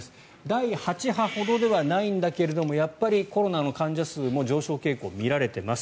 第８波ほどではないんだけれどやっぱりコロナの患者数も上昇傾向が見られています。